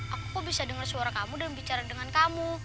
aku kok bisa dengar suara kamu dan bicara dengan kamu